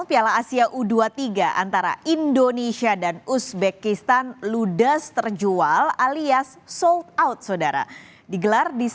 pertandingan uzbekistan bukanlah pertandingan yang mudah